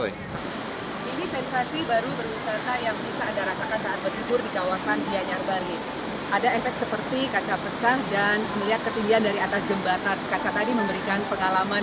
ini ada efek seperti kaca pecah dan melihat ketinggian dari atas jembatan kaca tadi memberikan pengalaman